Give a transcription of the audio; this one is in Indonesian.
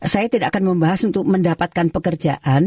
saya tidak akan membahas untuk mendapatkan pekerjaan